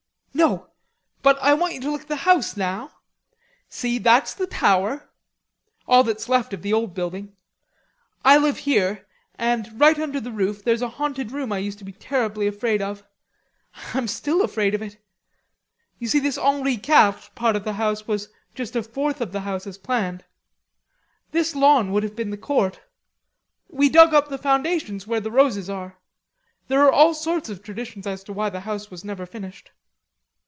"No, but I want you to look at the house now. See, that's the tower; all that's left of the old building. I live there, and right under the roof there's a haunted room I used to be terribly afraid of. I'm still afraid of it.... You see this Henri Quatre part of the house was just a fourth of the house as planned. This lawn would have been the court. We dug up foundations where the roses are. There are all sorts of traditions as to why the house was never finished."